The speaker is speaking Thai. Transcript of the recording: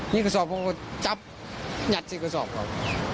มีกระสอบผมจับหยัดเสียกระสอบเขา